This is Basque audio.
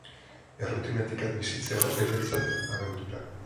Errutinatik at bizitzea da beretzat abentura.